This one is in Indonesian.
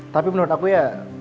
tapi menurut aku ya